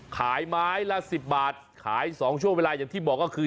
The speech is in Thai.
ขายไม้ละ๑๐บาทขาย๒ช่วงเวลาอย่างที่บอกก็คือ